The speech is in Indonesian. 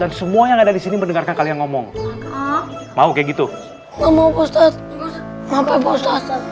dan semua yang ada di sini mendengarkan kalian ngomong mau kayak gitu mau postat